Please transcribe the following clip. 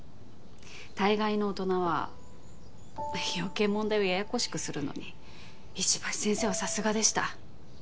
大概の大人は余計問題をややこしくするのに石橋先生はさすがでした。